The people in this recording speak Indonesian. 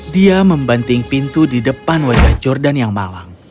dia membanting pintu di depan wajah jordan yang malang